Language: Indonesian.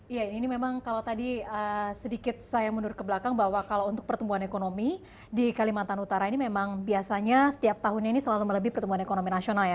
iya ini memang kalau tadi sedikit saya mundur ke belakang bahwa kalau untuk pertumbuhan ekonomi di kalimantan utara ini memang biasanya setiap tahunnya ini selalu melebih pertumbuhan ekonomi nasional ya